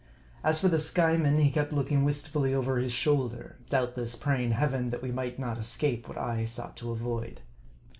As for the Skyeman, he kept looking wistfully over his shoulder ; doubtless, praying Heaven, that we might not escape what I sought to avoid.